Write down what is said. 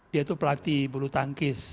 dia itu pelatih bulu tangkis